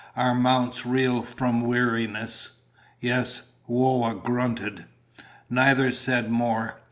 Our mounts reel from weariness." "Yes," Whoa grunted. Neither said more.